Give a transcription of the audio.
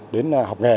đến học nghề